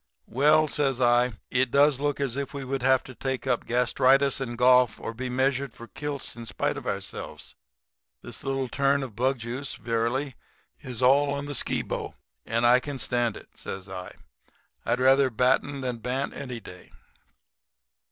"'Well,' says I, 'it does look as if we would have to take up gastritis and golf or be measured for kilts in spite of ourselves. This little turn in bug juice is, verily, all to the Skibo. And I can stand it,' says I, 'I'd rather batten than bant any day.'